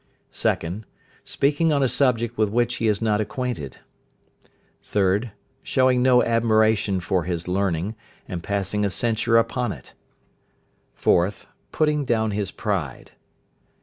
2nd. Speaking on a subject with which he is not acquainted. 3rd. Showing no admiration for his learning, and passing a censure upon it. 4th. Putting down his pride.